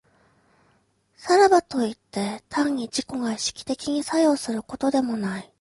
さらばといって、単に自己が意識的に作用することでもない。